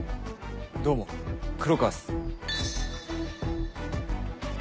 どうも黒川っす。